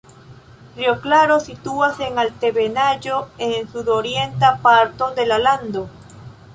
Rio Claro situas en altebenaĵo en sudorienta parto de la lando.